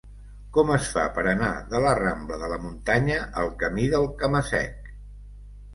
Com es fa per anar de la rambla de la Muntanya al camí del Cama-sec?